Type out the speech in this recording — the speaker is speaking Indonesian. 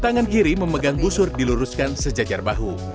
tangan kiri memegang busur diluruskan sejajar bahu